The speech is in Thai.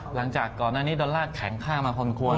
หลังจากก่อนหน้านี้ดอลลาร์แข็งค่ามาพอสมควร